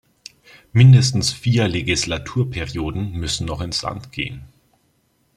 Mindestens vier Legislaturperioden müssen noch ins Land gehen.